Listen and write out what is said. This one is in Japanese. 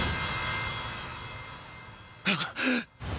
あっ！